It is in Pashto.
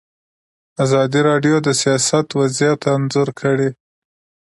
ازادي راډیو د سیاست وضعیت انځور کړی.